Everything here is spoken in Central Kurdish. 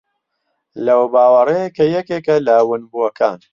لەو باوەڕەیە کە یەکێکە لە ونبووەکان